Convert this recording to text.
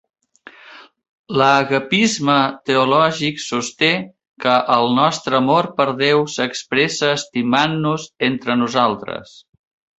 L'agapisme teològic sosté que el nostre amor per Déu s'expressa estimant-nos entre nosaltres.